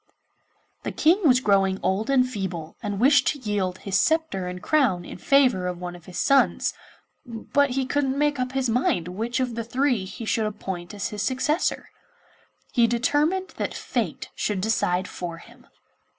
The King was growing old and feeble, and wished to yield his sceptre and crown in favour of one of his sons, but he couldn't make up his mind which of the three he should appoint as his successor. He determined that fate should decide for him.